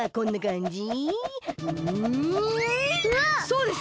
そうです！